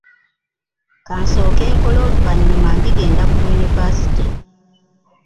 Kansooke nkole oluvanyuma ndigenda ku yunivaasite.